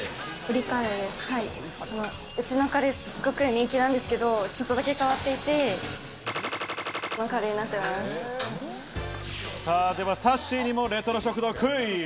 うちのカレー、すごく人気なんですけど、ちょっとだけ変わってて、さっしーにもレトロ食堂クイズ。